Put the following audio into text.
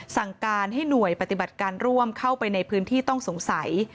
สั่งการให้หน่วยปฏิบัติการร่วมเข้าไปในพื้นที่ต้องสงสัย